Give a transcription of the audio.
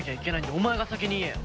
お前が先に言えよ。